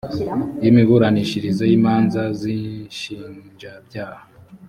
y imiburanishirize y imanza z inshinjabyaha